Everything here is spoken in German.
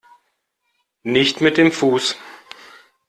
Nicht mit dem Fuß!